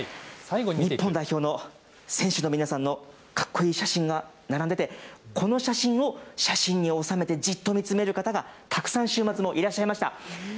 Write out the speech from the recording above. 日本代表の選手の皆さんのかっこいい写真が並んでて、この写真を写真に収めてじっと見つめる方がたくさん週末もいらっしゃいました。